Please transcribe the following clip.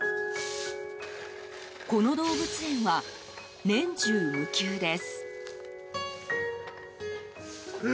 この動物園は年中無休です。